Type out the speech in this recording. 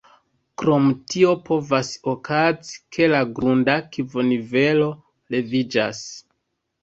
Krom tio povas okazi, ke la grundakvo-nivelo leviĝas.